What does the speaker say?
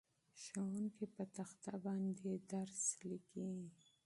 ښوونکی په تخته باندې درس لیکي.